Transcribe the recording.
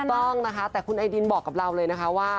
ถูกต้องนะคะแต่คุณไอดินบอกกับเราเลยนะคะว่า